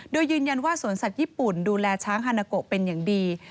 โดยยืนยันว่าสวนสัตว์ญี่ปุ่นดูแลช้างฮานาโกะเป็นอย่างดี